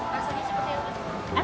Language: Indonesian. rasanya seperti apa